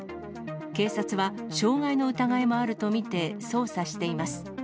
警察は、傷害の疑いもあると見て捜査しています。